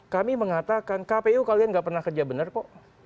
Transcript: kami mengatakan kpu kalian nggak pernah kerja benar kok